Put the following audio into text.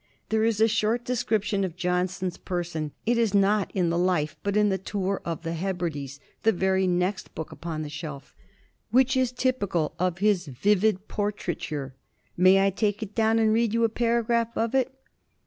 There is a short description of Johnson's person—it is not in the Life, but in the Tour to the Hebrides, the very next book upon the shelf, which is typical of his vivid portraiture. May I take it down, and read you a paragraph of it?